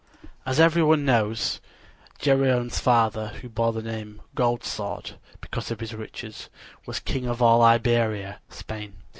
As everybody knew, Geryone's father, who bore the name "Gold Sword" because of his riches, was king of all Iberia (Spain).